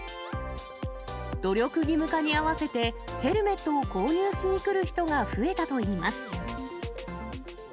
努力義務化に合わせて、ヘルメットを購入しに来る人が増えたといいます。